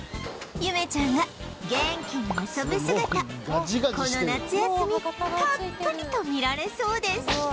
ゆめちゃんが元気に遊ぶ姿この夏休みたっぷりと見られそうです